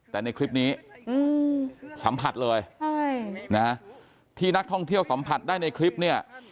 แต่ในคลิปนี้สัมผัสเลยใช่นะที่นักท่องเที่ยวสัมผัสได้ในคลิปเนี่ย